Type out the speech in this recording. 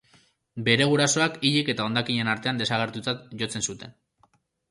Bere gurasoek hilik eta hondakinen artean desagertutzat jotzen zuten.